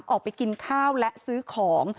ออกไปกินข้าวและซื้อของ